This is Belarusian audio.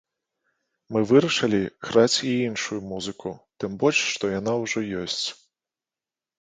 Мы вырашылі граць і іншую музыку, тым больш, што яна ўжо ёсць.